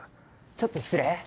ちょっと失礼。